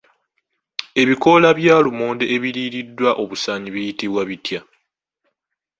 Ebikoola bya lumonde ebiriiriddwa obusaanyi biyitibwa bitya?